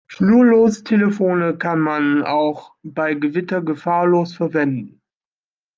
Schnurlostelefone kann man auch bei Gewitter gefahrlos verwenden.